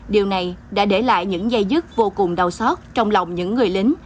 điều này đã để lại những dây dứt vô cùng đau xót trong lòng những người lính